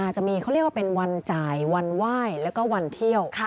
จะมีเขาเรียกว่าเป็นวันจ่ายวันไหว้แล้วก็วันเที่ยว